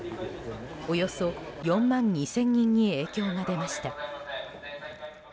およそ４万２０００人に影響が出ました。